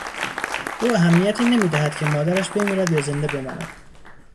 او اهمیتی نمیدهد که مادرش بمیرد یا زنده بماند.